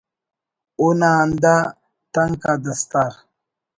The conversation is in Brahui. اونا ہندا تنک آ دستار